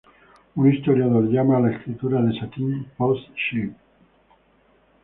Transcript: Un historiador llama a la escritura de Satin "post-hip".